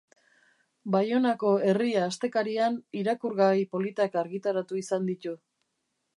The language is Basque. Baionako "Herria" astekarian irakurgai politak argitaratu izan ditu.